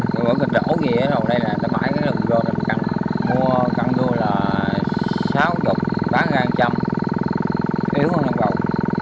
mỗi cái đỗ kia ở đầu đây là tấm mãi cái lưng đua trên căn mua căn đua là sáu đục bán ra trăm yếu hơn năm đầu